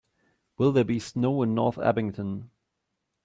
Will there be snow in North Abington